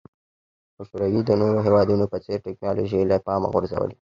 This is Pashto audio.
خو شوروي د نورو هېوادونو په څېر ټکنالوژي له پامه غورځولې وه